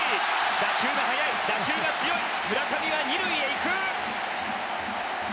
打球が速い、打球が強い村上は２塁へ行く。